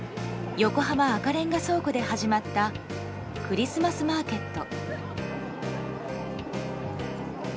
横浜赤レンガ倉庫で始まったクリスマスマーケット。